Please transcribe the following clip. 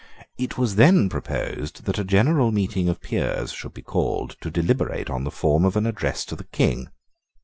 It was then proposed that a general meeting of peers should be called to deliberate on the form of an address to the King.